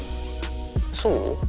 そう？